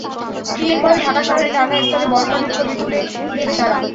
বিয়ের পরে ঢাকা শহরের নানা স্থানে বর-কনের ছবি তুলে দেবে তারা।